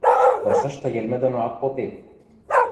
Вырсышты йӹлмӹ доно ак попеп.